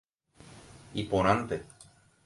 Iporãnte.